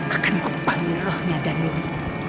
akan ikut panggung rohnya denuri